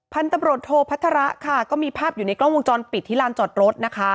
พันธุ์ตำรวจโทพัฒระค่ะก็มีภาพอยู่ในกล้องวงจรปิดที่ลานจอดรถนะคะ